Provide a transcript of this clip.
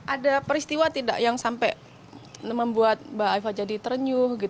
ada peristiwa tidak yang sampai membuat mbak eva jadi terenyuh